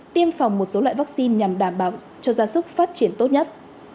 tiêm phòng một số loại vaccine nhằm đảm bảo cho gia súc phát triển tốt nhất